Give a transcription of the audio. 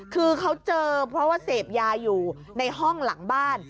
คือเขาเจอเพราะว่าเสพยาอยู่ในห้องหลังบ้าน